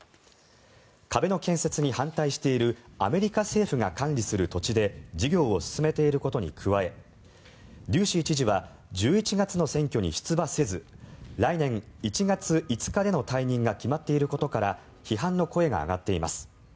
壁の建設に反対しているアメリカ政府が管理する土地で事業を進めていることに加えデューシー知事は１１月の選挙に出馬せず来年１月５日での退任が決まっていることから批判の声が上がっています。